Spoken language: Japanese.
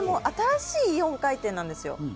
ただ、新しい４回転なんですよ。